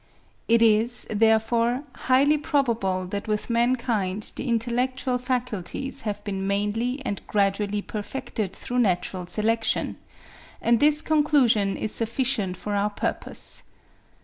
It is, therefore, highly probable that with mankind the intellectual faculties have been mainly and gradually perfected through natural selection; and this conclusion is sufficient for our purpose.